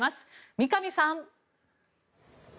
三上さん！